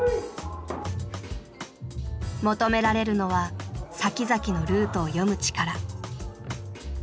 求められるのは先々のルートを読む力。